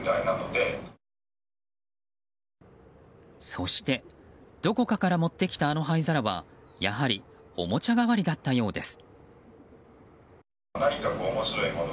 そして、どこかから持ってきたあの灰皿はやはりおもちゃ代わりだったようです。